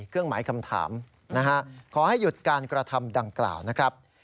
เครื่องหมายคำถามนะฮะขอให้หยุดการกระทำดังกล่าวนะครับ